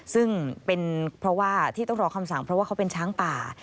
ซึ่งเป็นเพราะว่าที่ต้องรอคำสั่งเพราะว่าเขาเป็นช้างป่า